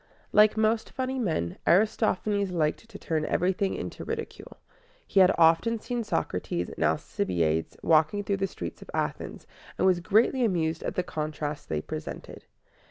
Like most funny men, Aristophanes liked to turn everything into ridicule. He had often seen Socrates and Alcibiades walking through the streets of Athens, and was greatly amused at the contrast they presented.